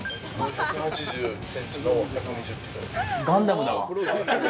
１８０センチの１２０キロ。